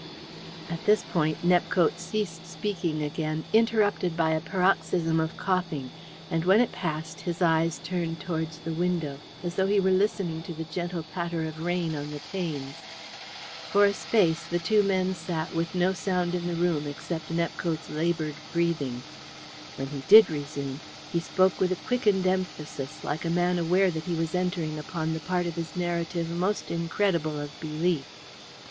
At this point Nepcote ceased speaking again, interrupted by a paroxysm of coughing, and when it passed his eyes turned towards the window, as though he were listening to the gentle patter of rain on the panes. For a space the two men sat with no sound in the room except Nepcote's laboured breathing. When he did resume he spoke with a quickened emphasis, like a man aware that he was entering upon the part of his narrative most incredible of belief.